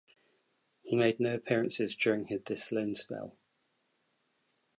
He made no appearances during this loan spell.